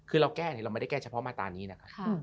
เราแก้อันนี้ไม่ชะพาว์มาตอนนี้นะคะ